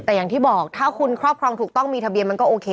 แต่อย่างที่บอกถ้าคุณครอบครองถูกต้องมีทะเบียนมันก็โอเค